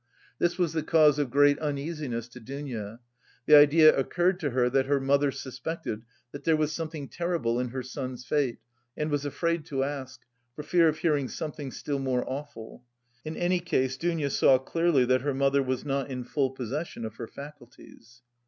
This was the cause of great uneasiness to Dounia; the idea occurred to her that her mother suspected that there was something terrible in her son's fate and was afraid to ask, for fear of hearing something still more awful. In any case, Dounia saw clearly that her mother was not in full possession of her faculties.